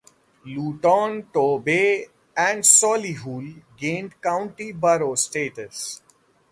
Luton, Torbay, and Solihull gained county borough status.